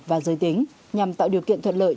và giới tính nhằm tạo điều kiện thuận lợi